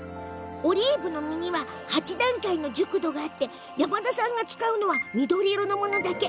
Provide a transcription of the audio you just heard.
オリーブの実には８段階の熟度があって山田さんが使うのは緑色のものだけ。